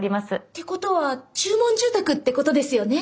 ってことは注文住宅ってことですよね？